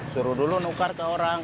suruh dulu nukar ke orang